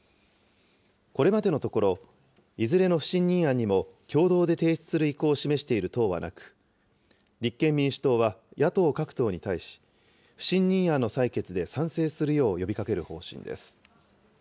これまでのところ、いずれの不信任案にも共同で提出する意向を示している党はなく、立憲民主党は野党各党に対し、不信任案の採決で賛成するよう呼びかける方針です。